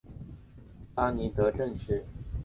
拉尼德镇区为美国堪萨斯州波尼县辖下的镇区。